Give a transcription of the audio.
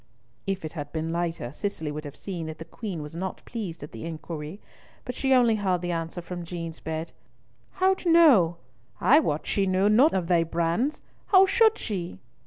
If it had been lighter, Cicely would have seen that the Queen was not pleased at the inquiry, but she only heard the answer from Jean's bed, "Hout no, I wad she knew nought of thae brands. How should she?"